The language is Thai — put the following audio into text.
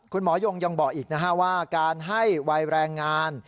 คุณหมอยงยังบอกอีกนะฮะว่าการให้วัยแรงงาน